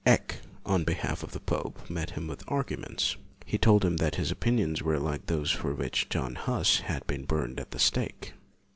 Eck, on behalf of the pope, met him with argu ments. He told him that his opinions were like those for which John Hus had been burned at the stake.